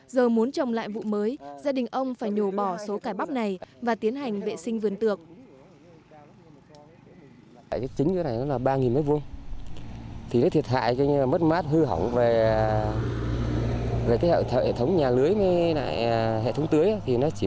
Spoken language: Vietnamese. giờ muốn trồng lại vụ mới gia đình ông phải nhổ bỏ số cá bắp này và tiến hành vệ sinh vườn tược